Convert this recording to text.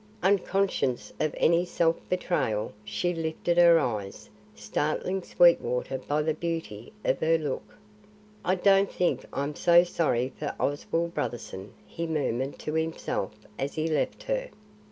Unconscious of any self betrayal, she lifted her eyes, startling Sweetwater by the beauty of her look. "I don't think I'm so sorry for Oswald Brotherson," he murmured to himself as he left her.